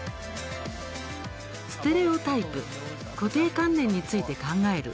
ステレオタイプ固定観念について考える。